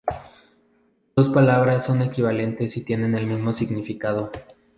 Dos palabras son equivalentes si tienen el mismo significado.